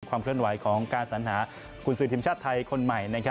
เคลื่อนไหวของการสัญหากุญสือทีมชาติไทยคนใหม่